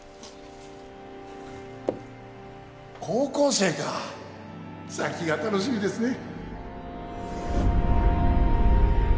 高校生か先が楽しみですね